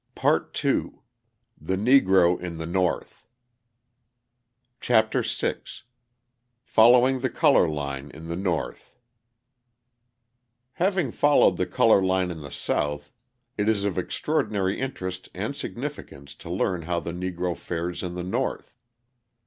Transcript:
PART TWO THE NEGRO IN THE NORTH CHAPTER VI FOLLOWING THE COLOUR LINE IN THE NORTH Having followed the colour line in the South, it is of extraordinary interest and significance to learn how the Negro fares in the North.